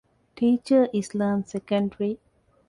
ޓީޗަރ އިސްލާމް، ސެކަންޑްރީ